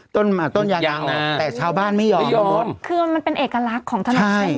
ต้นอ่าต้นยางยางแต่ชาวบ้านไม่ยอมไม่ยอมคือมันเป็นเอกลักษณ์ของถนนเส้นนี้ค่ะ